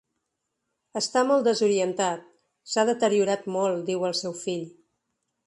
Està molt desorientat, s’ha deteriorat molt, diu el seu fill.